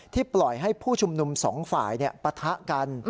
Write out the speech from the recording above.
ปล่อยให้ผู้ชุมนุมสองฝ่ายปะทะกัน